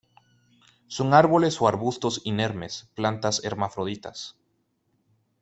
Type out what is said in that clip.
Son árboles o arbustos inermes; plantas hermafroditas.